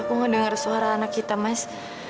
aku mendengar suara anak kita mas